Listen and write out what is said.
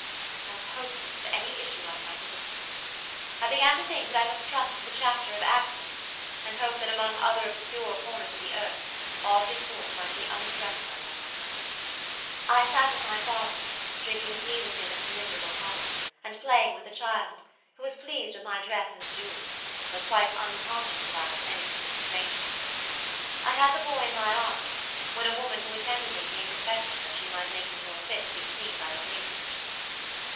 "I was hopeless of any issue out of my difficulties. I began to think that I must trust to the chapter of accidents, and hope that among other obscure corners of the earth, Audley Court might be undreamt of by my husband. "I sat with my father, drinking tea with him in his miserable hovel, and playing with the child, who was pleased with my dress and jewels, but quite unconscious that I was anything but a stranger to him. I had the boy in my arms, when a woman who attended him came to fetch him that she might make him more fit to be seen by the lady, as she said.